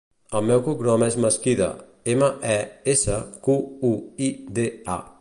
El seu cognom és Mesquida: ema, e, essa, cu, u, i, de, a.